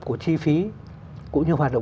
của chi phí cũng như hoạt động